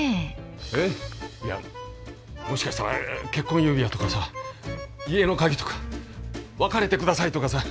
いやもしかしたら結婚指輪とかさ家の鍵とか「別れて下さい」とかさ